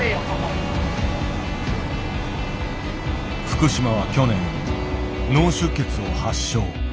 福島は去年脳出血を発症。